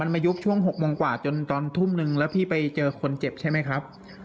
มายุบช่วง๖โมงกว่าจนตอนทุ่มนึงแล้วพี่ไปเจอคนเจ็บใช่ไหมครับ